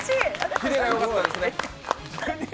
キレがよかったですね。